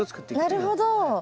なるほど。